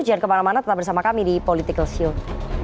jangan kemana mana tetap bersama kami di political show